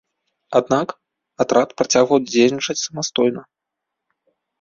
Аднак, атрад працягваў дзейнічаць самастойна.